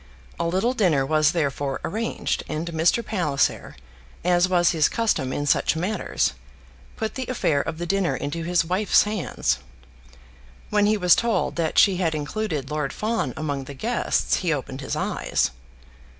A little dinner was therefore arranged, and Mr. Palliser, as was his custom in such matters, put the affair of the dinner into his wife's hands. When he was told that she had included Lord Fawn among the guests he opened his eyes.